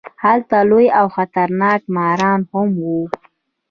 هلته لوی او خطرناک ماران هم وو.